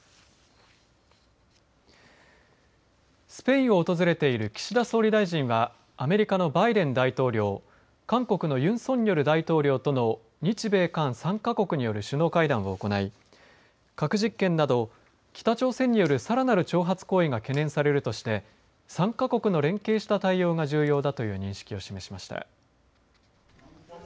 スペインを訪れている岸田総理大臣はアメリカのバイデン大統領韓国のユン・ソンニョル大統領との日米韓３か国による首脳会談を行い核実験など北朝鮮によるさらなる挑発行為が懸念されるとして３か国の連携した対応が重要だという認識を示しました。